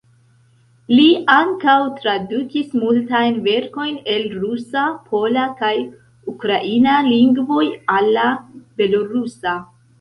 Li ankaŭ tradukis multajn verkojn el rusa, pola kaj ukraina lingvoj al la belorusa.